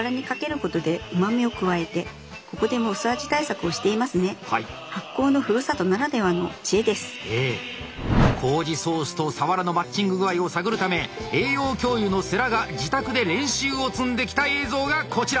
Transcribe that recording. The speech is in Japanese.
こうじソースとさわらのマッチング具合を探るため栄養教諭の世良が自宅で練習を積んできた映像がこちら。